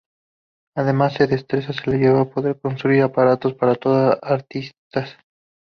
Además su destreza le llevó a poder construir aparatos para otros artistas.